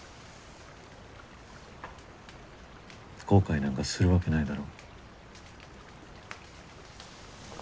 後悔なんかするわけないだろ。